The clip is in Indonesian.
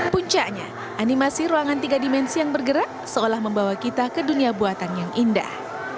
puncaknya animasi ruangan tiga dimensi yang bergerak seolah membawa kita ke dunia buatan yang indah